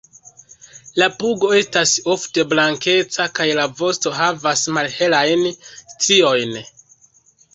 La pugo estas ofte blankeca kaj la vosto havas malhelajn striojn.